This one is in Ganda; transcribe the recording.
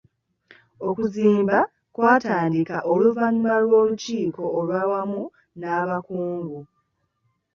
Okuzimba kwatandika oluvannyuma lw'olukiiko olw'awamu n'abakungu.